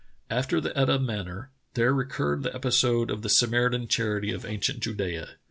After the Etah manner, there recurred the episode of the Samaritan charity of ancient Judea.